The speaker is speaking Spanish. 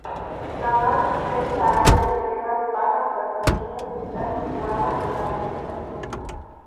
La más extensa área de tierras bajas brasileñas está situada en la región Norte.